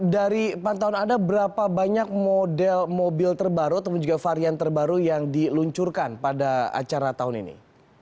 dari pantauan anda berapa banyak model mobil terbaru atau juga varian terbaru yang diluncurkan pada acara tahun ini